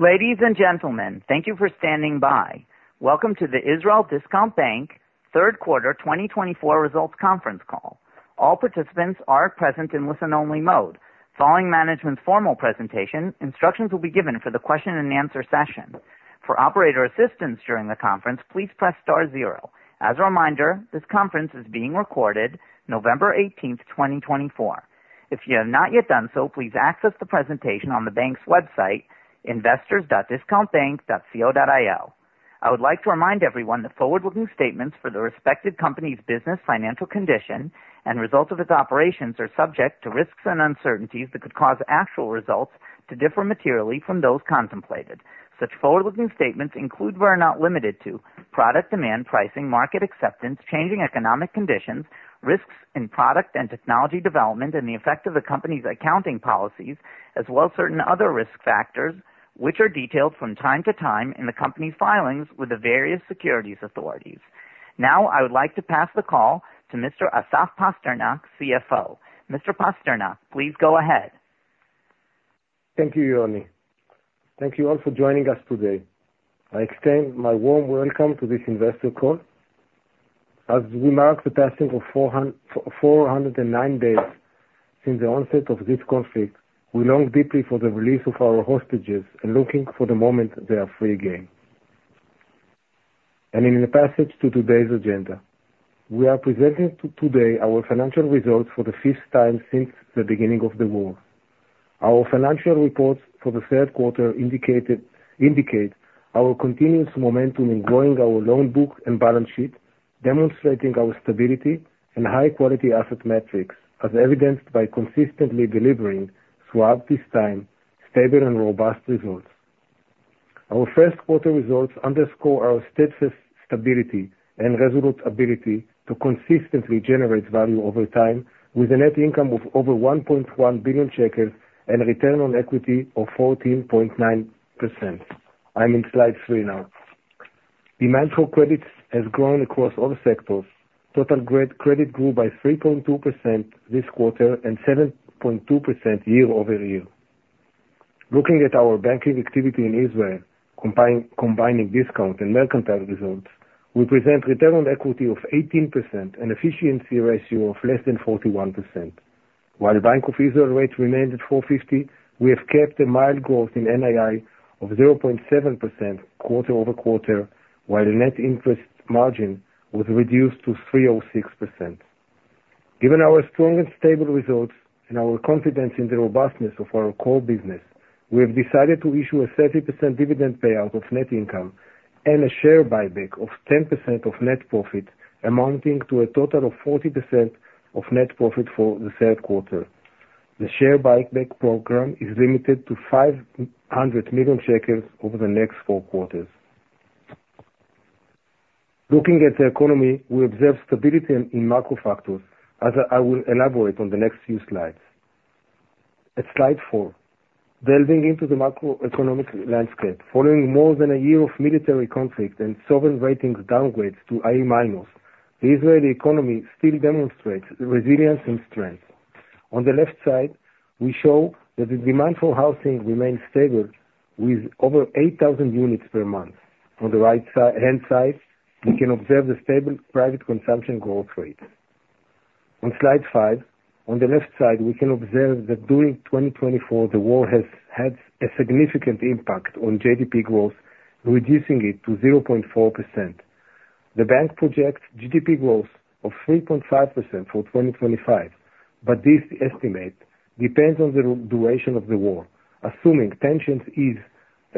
Ladies and gentlemen, thank you for standing by. Welcome to the Israel Discount Bank Third Quarter 2024 Results Conference Call. All participants are present in listen-only mode. Following management's formal presentation, instructions will be given for the question-and-answer session. For operator assistance during the conference, please press star zero. As a reminder, this conference is being recorded, November 18th, 2024. If you have not yet done so, please access the presentation on the bank's website, investors.discountbank.co.il. I would like to remind everyone that forward-looking statements for the respective company's business, financial condition and results of its operations are subject to risks and uncertainties that could cause actual results to differ materially from those contemplated. Such forward-looking statements include, but are not limited to, product demand, pricing, market acceptance, changing economic conditions, risks in product and technology development, and the effect of the company's accounting policies, as well as certain other risk factors, which are detailed from time to time in the company's filings with the various securities authorities. Now, I would like to pass the call to Mr. Assaf Pasternak, CFO. Mr. Pasternak, please go ahead. Thank you, Yoni. Thank you all for joining us today. I extend my warm welcome to this investor call. As we mark the passing of 409 days since the onset of this conflict, we long deeply for the release of our hostages and looking for the moment they are free again. And in a passage to today's agenda, we are presenting today our financial results for the fifth time since the beginning of the war. Our financial reports for the third quarter indicate our continuous momentum in growing our loan book and balance sheet, demonstrating our stability and high-quality asset metrics, as evidenced by consistently delivering, throughout this time, stable and robust results. Our first quarter results underscore our steadfast stability and resolute ability to consistently generate value over time, with a net income of over 1.1 billion shekels and a return on equity of 14.9%. I'm in slide three now. Demand for credits has grown across all sectors. Total credit grew by 3.2% this quarter and 7.2% year-over-year. Looking at our banking activity in Israel, combining Discount and Mercantile results, we present a return on equity of 18% and an efficiency ratio of less than 41%. While the Bank of Israel rate remained at 450, we have kept a mild growth in NII of 0.7% quarter-over-quarter, while the net interest margin was reduced to 3.06%. Given our strong and stable results and our confidence in the robustness of our core business, we have decided to issue a 30% dividend payout of net income and a share buyback of 10% of net profit, amounting to a total of 40% of net profit for the third quarter. The share buyback program is limited to 500 million shekels over the next four quarters. Looking at the economy, we observe stability in macro factors, as I will elaborate on the next few slides. At slide four, delving into the macroeconomic landscape, following more than a year of military conflict and sovereign ratings downgrades to A-minus, the Israeli economy still demonstrates resilience and strength. On the left side, we show that the demand for housing remains stable, with over 8,000 units per month. On the right-hand side, we can observe the stable private consumption growth rate. On slide five, on the left side, we can observe that during 2024, the war has had a significant impact on GDP growth, reducing it to 0.4%. The bank projects GDP growth of 3.5% for 2025, but this estimate depends on the duration of the war, assuming tensions ease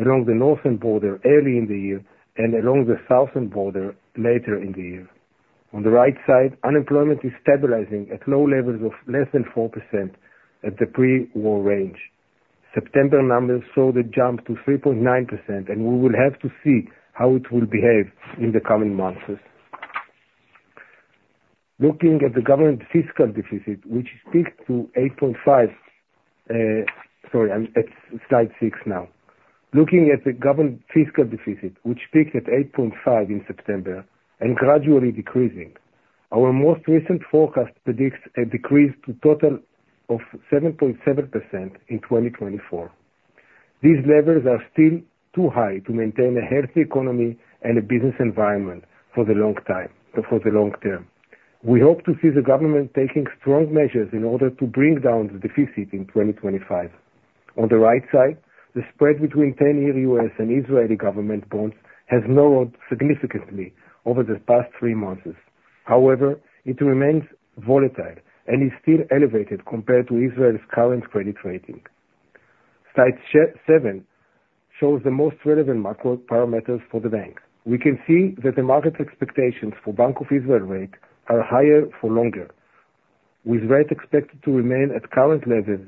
along the northern border early in the year and along the southern border later in the year. On the right side, unemployment is stabilizing at low levels of less than 4% at the pre-war range. September numbers saw the jump to 3.9%, and we will have to see how it will behave in the coming months. Looking at the government fiscal deficit, which peaked to 8.5%. Sorry, I'm at slide six now. Looking at the government fiscal deficit, which peaked at 8.5% in September and gradually decreasing, our most recent forecast predicts a decrease to a total of 7.7% in 2024. These levels are still too high to maintain a healthy economy and a business environment for the long term. We hope to see the government taking strong measures in order to bring down the deficit in 2025. On the right side, the spread between 10-year U.S. and Israeli government bonds has lowered significantly over the past three months. However, it remains volatile and is still elevated compared to Israel's current credit rating. Slide seven shows the most relevant macro parameters for the bank. We can see that the market expectations for the Bank of Israel rate are higher for longer, with rates expected to remain at current levels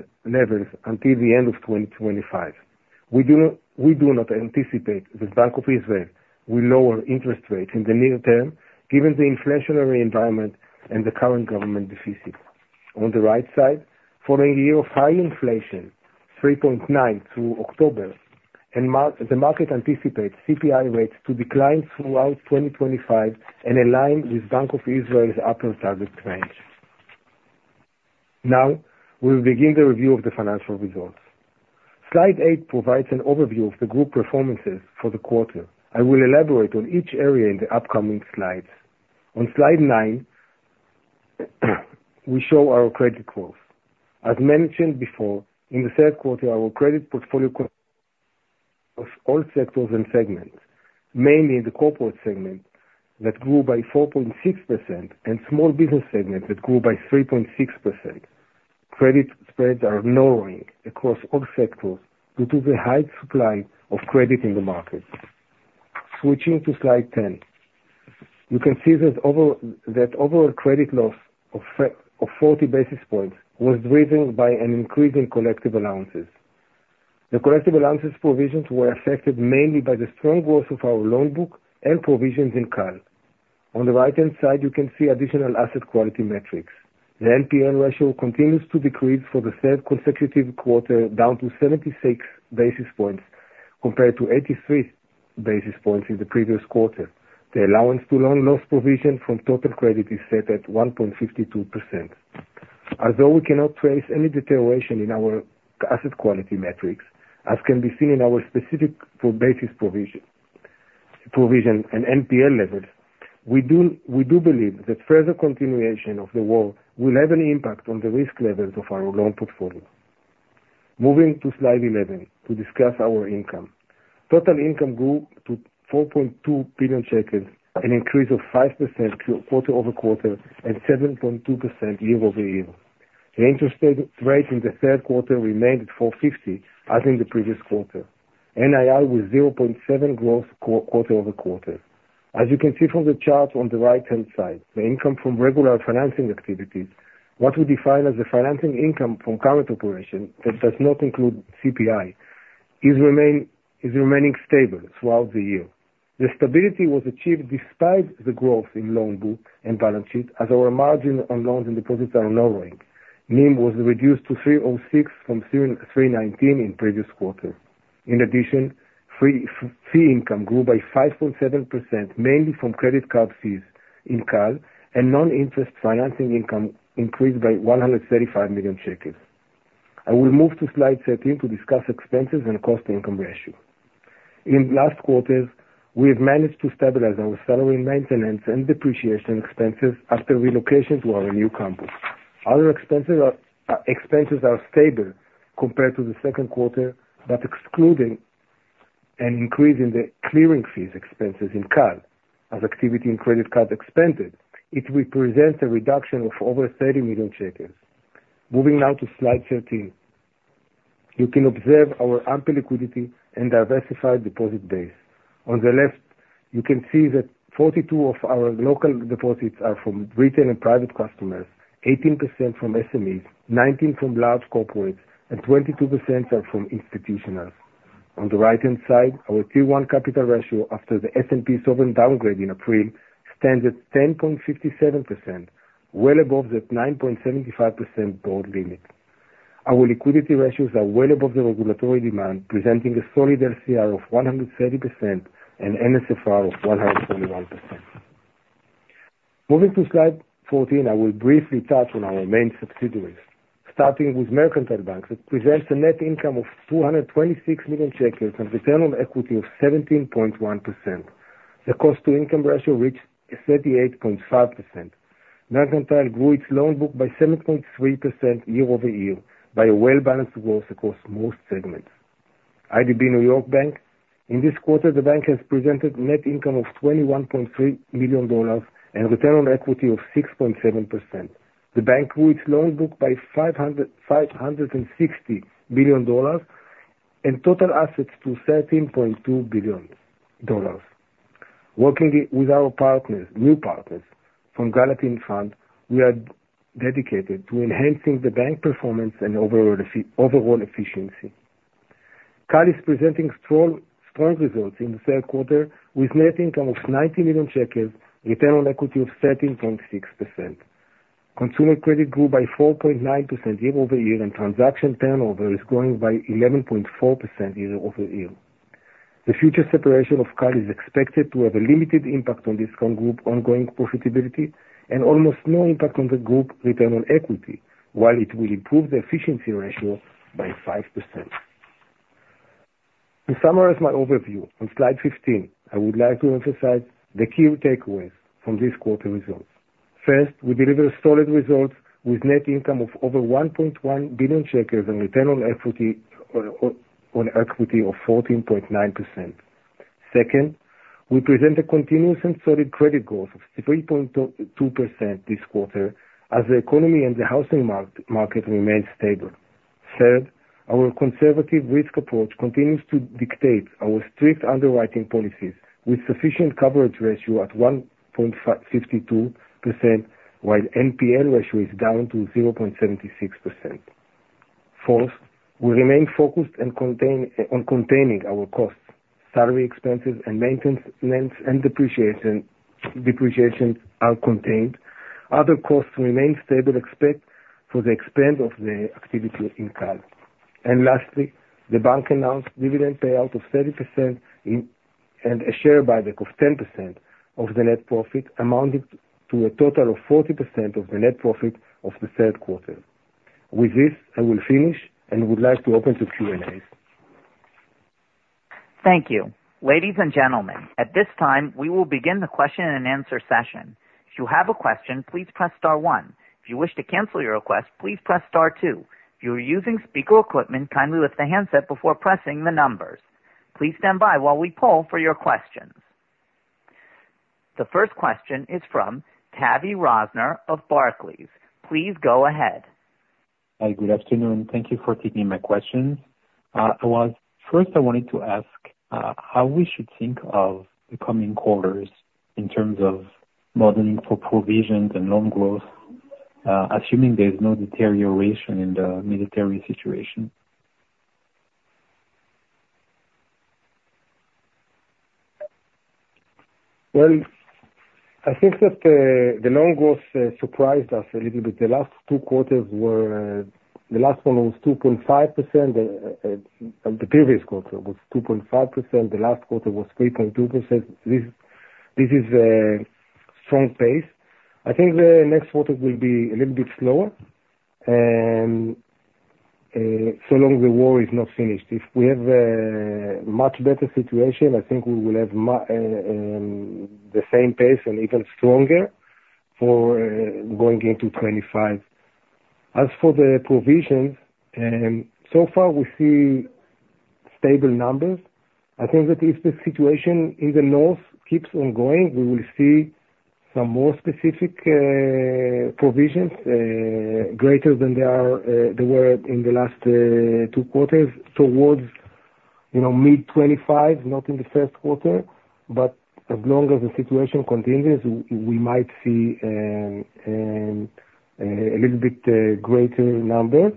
until the end of 2025. We do not anticipate that the Bank of Israel will lower interest rates in the near term, given the inflationary environment and the current government deficit. On the right side, following a year of high inflation, 3.9% through October, the market anticipates CPI rates to decline throughout 2025 and align with the Bank of Israel's upper target range. Now, we will begin the review of the financial results. Slide eight provides an overview of the group performances for the quarter. I will elaborate on each area in the upcoming slides. On slide nine, we show our credit growth. As mentioned before, in the third quarter, our credit portfolio growth across all sectors and segments, mainly in the corporate segment, grew by 4.6%, and the small business segment grew by 3.6%. Credit spreads are narrowing across all sectors due to the high supply of credit in the market. Switching to slide 10, you can see that overall credit loss of 40 basis points was driven by an increase in collective allowances. The collective allowances provisions were affected mainly by the strong growth of our loan book and provisions in CAL. On the right-hand side, you can see additional asset quality metrics. The NPL ratio continues to decrease for the third consecutive quarter, down to 76 basis points compared to 83 basis points in the previous quarter. The allowance to loan loss provision from total credit is set at 1.52%. Although we cannot trace any deterioration in our asset quality metrics, as can be seen in our specific basis provision and NPL levels, we do believe that further continuation of the war will have an impact on the risk levels of our loan portfolio. Moving to slide 11 to discuss our income. Total income grew to 4.2 billion shekels and increased by 5% quarter-over-quarter and 7.2% year-over-year. The interest rate in the third quarter remained at 450, as in the previous quarter. NII was 0.7% growth quarter-over-quarter. As you can see from the chart on the right-hand side, the income from regular financing activities, what we define as the financing income from current operations that does not include CPI, is remaining stable throughout the year. The stability was achieved despite the growth in loan book and balance sheet, as our margin on loans and deposits are lowering. NIM was reduced to 306 from 319 in the previous quarter. In addition, fee income grew by 5.7%, mainly from credit card fees in CAL, and non-interest financing income increased by 135 million shekels. I will move to slide 13 to discuss expenses and cost-to-income ratio. In the last quarter, we have managed to stabilize our salary maintenance and depreciation expenses after relocation to our new campus. Other expenses are stable compared to the second quarter, but excluding and increasing the clearing fees expenses in CAL, as activity in credit cards expanded, it represents a reduction of over 30 million shekels. Moving now to slide 13, you can observe our ample liquidity and diversified deposit base. On the left, you can see that 42% of our local deposits are from retail and private customers, 18% from SMEs, 19% from large corporates, and 22% are from institutionals. On the right-hand side, our Tier 1 capital ratio after the S&P sovereign downgrade in April stands at 10.57%, well above the 9.75% board limit. Our liquidity ratios are well above the regulatory demand, presenting a solid LCR of 130% and NSFR of 121%. Moving to slide 14, I will briefly touch on our main subsidiaries, starting with Mercantile Bank, which presents a net income of 226 million shekels and a return on equity of 17.1%. The cost-to-income ratio reached 38.5%. Mercantile grew its loan book by 7.3% year-over-year by a well-balanced growth across most segments. IDB Bank, New York, in this quarter, the bank has presented a net income of $21.3 million and a return on equity of 6.7%. The bank grew its loan book by $560 million and total assets to $13.2 billion. Working with our new partners from Gallatin Point Capital, we are dedicated to enhancing the bank performance and overall efficiency. CAL is presenting strong results in the third quarter, with a net income of 90 million shekels and a return on equity of 13.6%. Consumer credit grew by 4.9% year-over-year, and transaction turnover is growing by 11.4% year-over-year. The future separation of CAL is expected to have a limited impact on Discount Group ongoing profitability and almost no impact on the group return on equity, while it will improve the efficiency ratio by 5%. To summarize my overview, on slide 15, I would like to emphasize the key takeaways from these quarter results. First, we deliver solid results with a net income of over 1.1 billion shekels and a return on equity of 14.9%. Second, we present a continuous and solid credit growth of 3.2% this quarter, as the economy and the housing market remain stable. Third, our conservative risk approach continues to dictate our strict underwriting policies, with sufficient coverage ratio at 1.52%, while the NPL ratio is down to 0.76%. Fourth, we remain focused on containing our costs. Salary expenses and maintenance and depreciation are contained. Other costs remain stable for the expense of the activity in CAL. And lastly, the bank announced a dividend payout of 30% and a share buyback of 10% of the net profit, amounting to a total of 40% of the net profit of the third quarter. With this, I will finish and would like to open to Q&A. Thank you. Ladies and gentlemen, at this time, we will begin the question and answer session. If you have a question, please press star one. If you wish to cancel your request, please press star two. If you are using speaker equipment, kindly lift the handset before pressing the numbers. Please stand by while we poll for your questions. The first question is from Tavy Rosner of Barclays. Please go ahead. Hi, good afternoon. Thank you for taking my questions. First, I wanted to ask how we should think of the coming quarters in terms of modeling for provisions and loan growth, assuming there's no deterioration in the military situation. Well, I think that the loan growth surprised us a little bit. The last two quarters were. The last one was 2.5%. The previous quarter was 2.5%. The last quarter was 3.2%. This is a strong pace. I think the next quarter will be a little bit slower so long as the war is not finished. If we have a much better situation, I think we will have the same pace and even stronger for going into 2025. As for the provisions, so far, we see stable numbers. I think that if the situation in the north keeps on going, we will see some more specific provisions greater than they were in the last two quarters towards mid-2025, not in the first quarter. But as long as the situation continues, we might see a little bit greater numbers.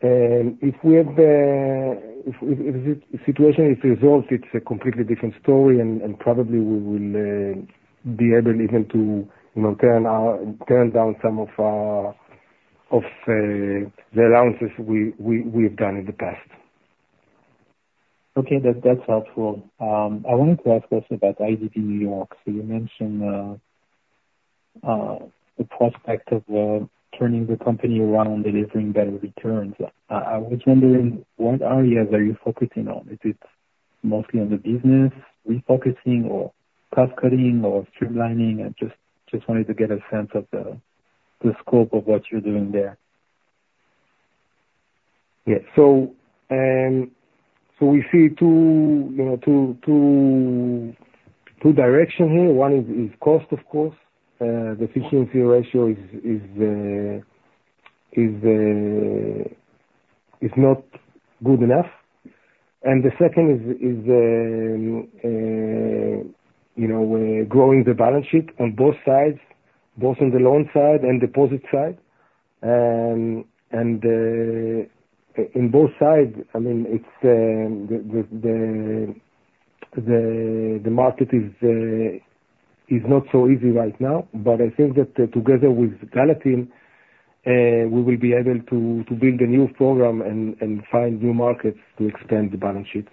If the situation is resolved, it's a completely different story, and probably we will be able even to turn down some of the allowances we have done in the past. Okay, that's helpful. I wanted to ask also about IDB New York. So you mentioned the prospect of turning the company around, delivering better returns. I was wondering, what areas are you focusing on? Is it mostly on the business refocusing or cost-cutting or streamlining? I just wanted to get a sense of the scope of what you're doing there. Yeah, so we see two directions here. One is cost, of course. The efficiency ratio is not good enough. And the second is growing the balance sheet on both sides, both on the loan side and deposit side. And in both sides, I mean, the market is not so easy right now, but I think that together with Gallatin, we will be able to build a new program and find new markets to expand the balance sheet.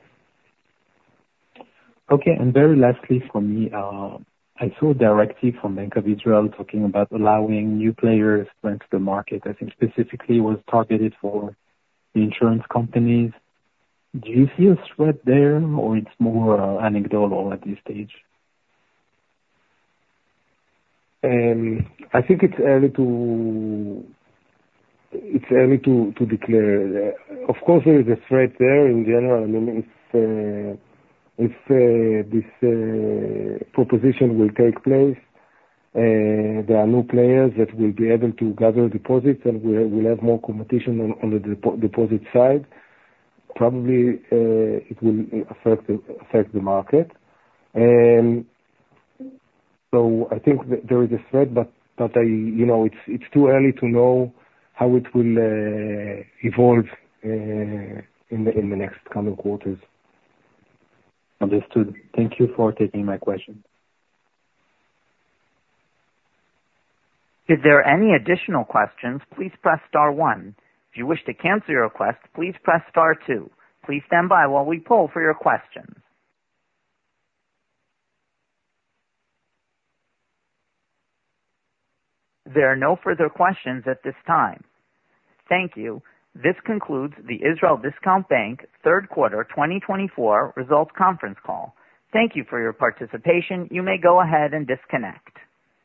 Okay, and very lastly for me, I saw a directive from Bank of Israel talking about allowing new players to enter the market. I think specifically it was targeted for the insurance companies. Do you see a spread there, or it's more anecdotal at this stage? I think it's early to declare. Of course, there is a threat there in general. I mean, if this proposition will take place, there are new players that will be able to gather deposits, and we'll have more competition on the deposit side. Probably it will affect the market. So I think there is a threat, but it's too early to know how it will evolve in the next coming quarters. Understood. Thank you for taking my question. If there are any additional questions, please press star one. If you wish to cancel your request, please press star two. Please stand by while we poll for your questions. There are no further questions at this time. Thank you. This concludes the Israel Discount Bank third quarter 2024 results conference call. Thank you for your participation. You may go ahead and disconnect.